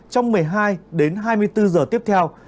trong một mươi hai đến hai mươi bốn giờ tiếp theo